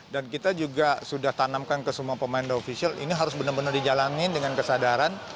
dan kita juga sudah tanamkan ke semua pemain dan ofisial ini harus benar benar dijalankan dengan kesadaran